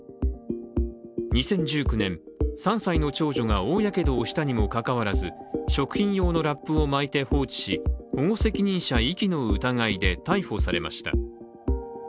２０１９年、３歳の長女が大やけどをしたにもかかわらず食品用のラップを巻いて放置し保護責任者遺棄の疑いで逮捕されました。